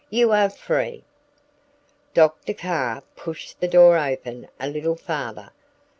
You are free!'" Dr. Carr pushed the door open a little farther.